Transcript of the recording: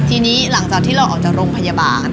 ทีนี้หลังจากที่เราออกจากโรงพยาบาล